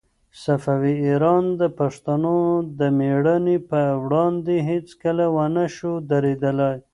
صفوي ایران د پښتنو د مېړانې په وړاندې هيڅکله ونه شوای درېدلای.